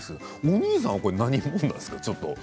お兄さんは何者なんですか？